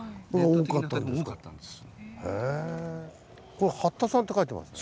これ「八田」さんって書いてますね。